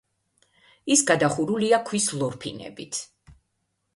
ის გადახურულია ქვის ლორფინებით.